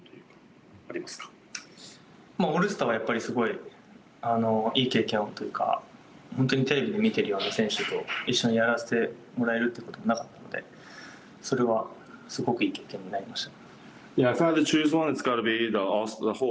オールスターはやっぱりすごいいい経験というか本当にテレビで見ているような選手と一緒にやらせてもらえるということはなかったのでそれはすごくいい経験になりました。